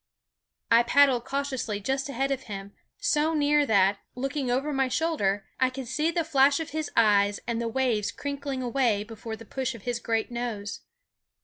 I paddled cautiously just ahead of him, so near that, looking over my shoulder, I could see the flash of his eye and the waves crinkling away before the push of his great nose.